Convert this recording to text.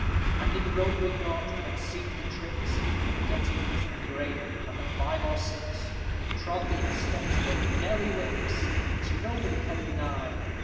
_ And in roguery naught could exceed the tricks Of GETTINGS and GREY, and the five or six Who trod in the steps of bold NEDDY WICKS! _Which nobody can deny.